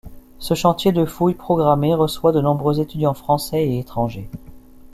Ce chantier de fouilles programmé reçoit de nombreux étudiants français et étrangers.